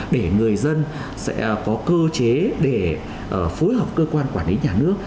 để người dân sẽ có cơ chế để phối hợp cơ quan quản lý nhà nước